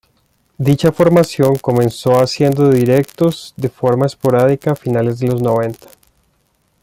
Dicha formación comenzó haciendo directos de forma esporádica a finales de los noventa.